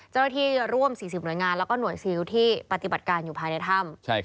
เจ้าหน้าที่ร่วม๔๐หน่วยงานแล้วก็หน่วยซิลที่ปฏิบัติการอยู่ภายในถ้ำ